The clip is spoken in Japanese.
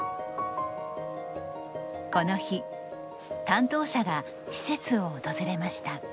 この日担当者が施設を訪れました。